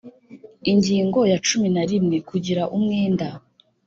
Ingingo ya cumi na rimwe : Kugira umwenda